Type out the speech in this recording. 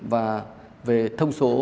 và về thông số